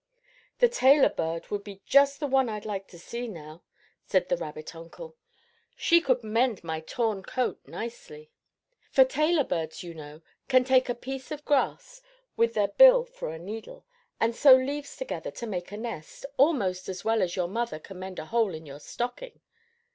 "The tailor bird would be just the one I'd like to see now," said the rabbit uncle. "She could mend my torn coat nicely." For tailor birds, yon know, can take a piece of grass, with their bill for a needle, and sew leaves together to make a nest, almost as well as your mother can mend a hole in your stocking.